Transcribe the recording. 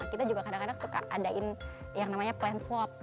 kita juga kadang kadang suka adain yang namanya plan swab